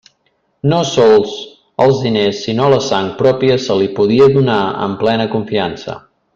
No sols els diners, sinó la sang pròpia, se li podia donar amb plena confiança.